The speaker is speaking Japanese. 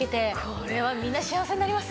これはみんな幸せになりますよ。